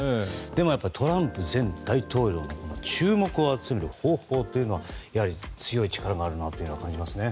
でも、やっぱりトランプ前大統領の注目を集める方法というのはやはり強い力があるなと感じますね。